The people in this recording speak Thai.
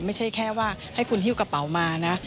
ไม่ใช่แค่ว่าให้คุณฮิ้วกระเป๋ามานะ